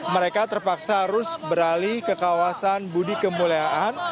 mereka terpaksa harus beralih ke kawasan budi kemuliaan